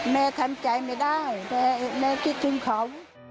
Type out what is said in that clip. แม่ทำใจไม่ได้แม่คิดถึงเขา